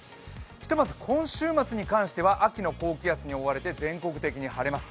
ひとまず今週末に関しては秋の高気圧に覆われて全国的に晴れます。